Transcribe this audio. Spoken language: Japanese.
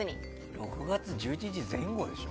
６月１１日前後でしょ。